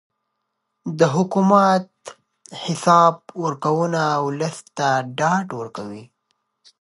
د حکومت حساب ورکونه ولس ته ډاډ ورکوي